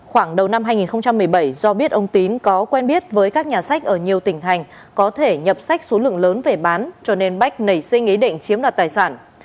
khoảng đầu năm hai nghìn một mươi bảy do biết ông tín có quen biết với các nhà sách ở nhiều tỉnh thành có thể nhập sách số lượng lớn về bán cho nên bách nảy sinh ý định chiếm đoạt tài sản